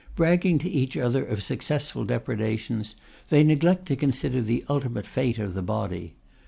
Bragging to each other of successful depredations They neglect to consider the ultimate fate of the body.